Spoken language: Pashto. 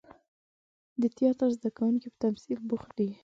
د تیاتر زده کوونکي په تمثیل بوخت دي.